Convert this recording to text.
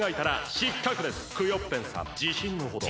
クヨッペンさんじしんのほどは？